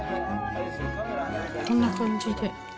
こんな感じで。